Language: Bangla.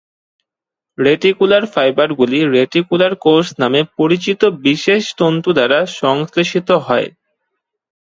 রেটিকুলার ফাইবারগুলি রেটিকুলার কোষ নামে পরিচিত বিশেষ তন্তু দ্বারা সংশ্লেষিত হয়।